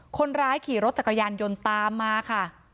คนร้ายขี่รถจักรยานยนต์ตามมาค่ะ